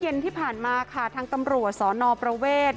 เย็นที่ผ่านมาค่ะทางตำรวจสนประเวท